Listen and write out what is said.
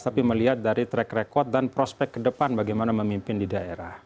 tapi melihat dari track record dan prospek ke depan bagaimana memimpin di daerah